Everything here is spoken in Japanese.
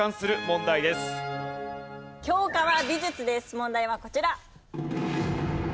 問題はこちら。